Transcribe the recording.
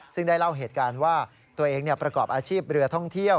ซึ่งได้เล่าเหตุการณ์ว่าตัวเองประกอบอาชีพเรือท่องเที่ยว